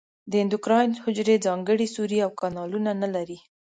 د اندوکراین حجرې ځانګړي سوري او کانالونه نه لري.